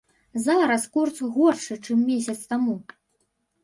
Зараз курс горшы, чым месяц таму.